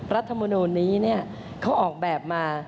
รัฐมนุนนี้เนี่ยเขาออกแบบมา